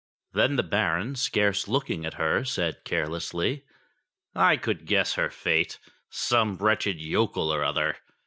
Then the Baron, scarce looking at her, said carelessly :I could guess her fate ! Some wretched yokel or other.